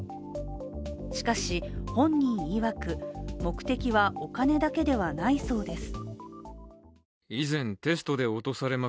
しかし、本人いわく、目的はお金だけではないそうです。